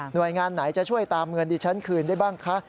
โดยงานไหนจะช่วยตามเงินดิฉันคืนได้บ้างคะ